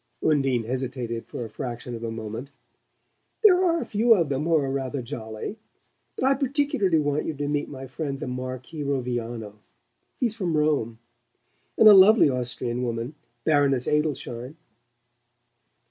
Undine hesitated for a fraction of a moment. "There are a few of them who are rather jolly. But I particularly want you to meet my friend the Marquis Roviano he's from Rome; and a lovely Austrian woman, Baroness Adelschein."